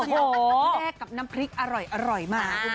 แลกกับน้ำพริกอร่อยมา